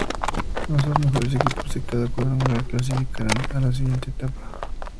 Los dos mejores equipos de cada cuadrangular clasificarán a la siguiente etapa.